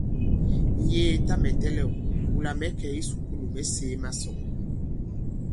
Ǹyēē, tâ mɛ̀ tɛlɛ̂w, wula mɛ̌ kɛ̀ i kisùkulù, mɛ̌ sēē masɔ̌ŋ.